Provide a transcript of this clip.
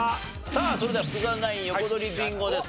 さあそれでは福澤ナイン横取りビンゴです。